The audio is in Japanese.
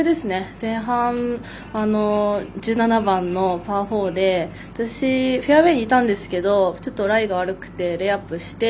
前半、１７番のパー４でフェアウエーにいたんですけどちょっとライが悪くてレイアップして。